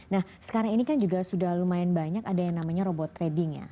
nah sekarang ini kan juga sudah lumayan banyak ada yang namanya robot trading ya